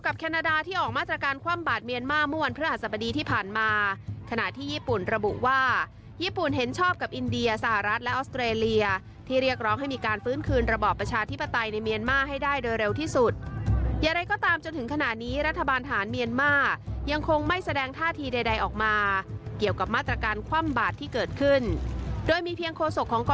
การรัฐประหารในเมียนมาร์ต้องถูกขัดขวาง